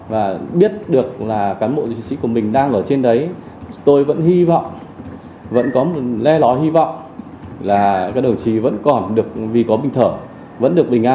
và bây giờ là đau lòng quá